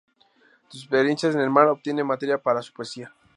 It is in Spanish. De sus experiencias en el mar obtiene materia para su poesía.